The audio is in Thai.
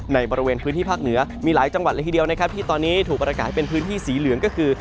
ในบริเวณพื้นที่ภาคเหนือมีหลายจังหวัดเลยทีเดียวนะครับที่ตอนนี้ถูกประกาศให้เป็นพื้นที่สีเหลืองก็คือ